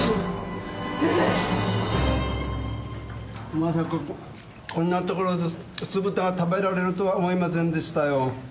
まさかこんな所で酢豚が食べられるとは思いませんでしたよ。